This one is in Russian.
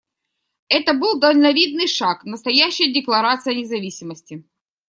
Это был дальновидный шаг, настоящая декларация независимости.